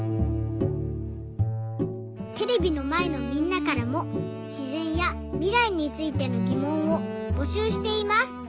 テレビのまえのみんなからもしぜんやみらいについてのぎもんをぼしゅうしています。